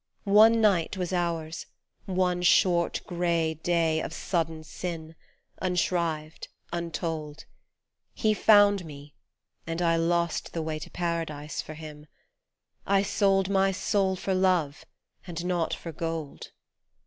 One night was ours, one short grey day Of sudden sin, unshrived, untold. He found me, and I lost the way To Paradise for him. I sold My soul for love and not for gold.